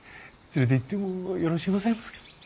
連れていってもよろしゅうございますか？